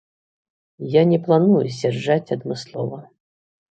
Я не планую з'язджаць адмыслова.